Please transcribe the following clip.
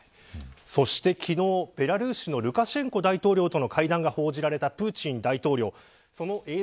昨日、ベラルーシのルカシェンコ大統領との会談が報じられたプーチン大統領。